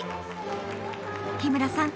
日村さん